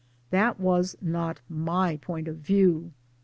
That was not my point of view.